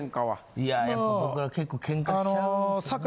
いややっぱ僕ら結構喧嘩しちゃうんですよね。